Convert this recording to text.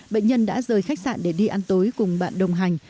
bệnh nhân đã rời khách sạn để đi ăn tối cùng bạn đồng hành